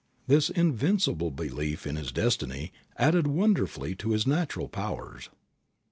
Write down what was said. This invincible belief in his destiny added wonderfully to his natural powers.